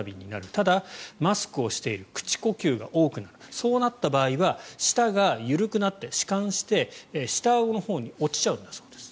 ただ、マスクをしている口呼吸が多くなるそうなった場合は舌が緩くなって、弛緩して下あごのほうに落ちちゃうんだそうです。